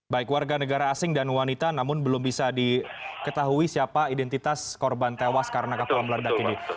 baik warga negara asing dan wanita namun belum bisa diketahui siapa identitas korban tewas karena kapal meledak ini